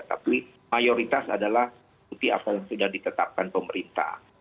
tapi mayoritas adalah yang sudah ditetapkan pemerintah